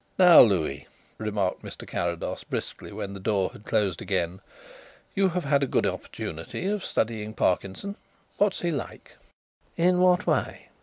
"Now, Louis," remarked Mr. Carrados briskly, when the door had closed again, "you have had a good opportunity of studying Parkinson. What is he like?" "In what way?"